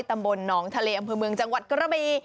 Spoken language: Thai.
ตำบลหนองทะเลอำเภอเมืองจังหวัดกระบี